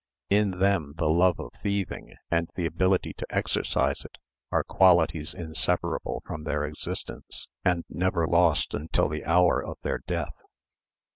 In them the love of thieving, and the ability to exercise it, are qualities inseparable from their existence, and never lost until the hour of their death.